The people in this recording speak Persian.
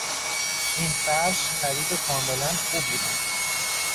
این فرش خرید کاملا خوبی بود.